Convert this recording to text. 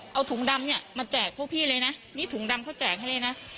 เอาถุงดำเนี่ยมาแจกพวกพี่เลยนะนี่ถุงดำเขาแจกให้เลยนะ